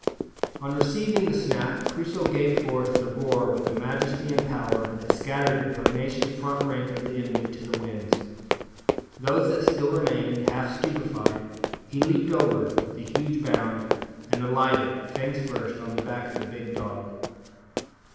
On receiving the snap, Crusoe gave forth the roar with a majesty and power that scattered the pugnacious front rank of the enemy to the winds. Those that still remained, half stupified, he leaped over with a huge bound, and alighted, fangs first, on the back of the big dog.